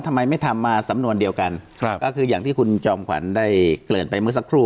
ทำไมไม่ทำมาสำนวนเดียวกันครับก็คืออย่างที่คุณจอมขวัญได้เกริ่นไปเมื่อสักครู่